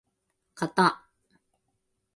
かた